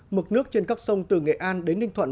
mực nước trên các sông từ nghệ an đến ninh thuận